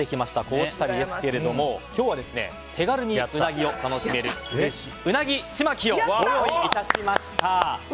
高知旅ですけれども今日は手軽にウナギを楽しめるうなぎちまきをご用意致しました。